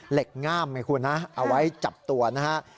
เหล็กงามนะคุณเอาไว้จับตัวนะคัก